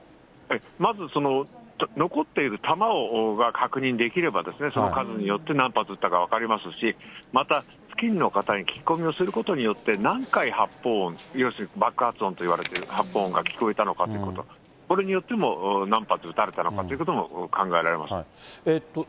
まず残っている弾が確認できれば、その数によって何発撃ったか分かりますし、また、付近の方に聞き込みをすることによって、何回発砲音、要するに爆発音といわれてる発砲音が聞こえたのかということ、それによっても何発撃たれたのかということも考えられます。